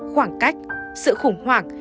khoảng cách sự khủng hoảng